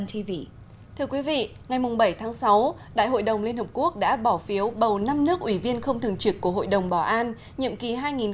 thưa quý vị ngày bảy tháng sáu đại hội đồng liên hợp quốc đã bỏ phiếu bầu năm nước ủy viên không thường trực của hội đồng bảo an nhiệm kỳ hai nghìn hai mươi hai nghìn hai mươi một